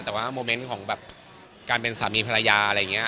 แต่ว่าโมเมนต์ของแบบการเป็นสามีภรรยาอะไรอย่างนี้